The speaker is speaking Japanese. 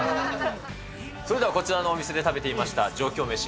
それではこちらのお店で食べていました上京メシ。